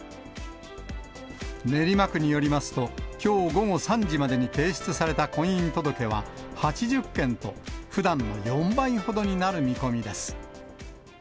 練馬区によりますと、きょう午後３時までに提出された婚姻届は８０件と、ふだんの４倍ほどになる見込みです。